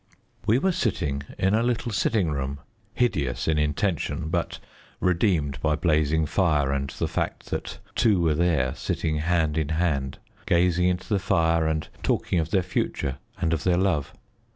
We were sitting in a little sitting room, hideous in intention, but redeemed by blazing fire and the fact that two were there, sitting hand in hand, gazing into the fire and talking of their future and of their love.